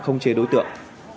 không chế đối tượng